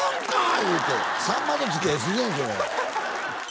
言うてさんまとつきあいすぎやでそれ